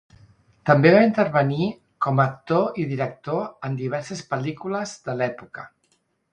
També va intervenir com a actor i director en diverses pel·lícules de l'època.